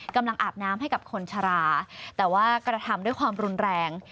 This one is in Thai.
อาบน้ำให้กับคนชะลาแต่ว่ากระทำด้วยความรุนแรง